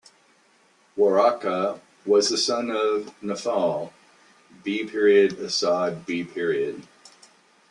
Waraka was the son of Nawfal b. Asad b.